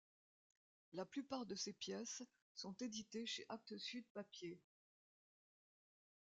La plupart des ses pièces sont éditées chez Actes sud-papiers.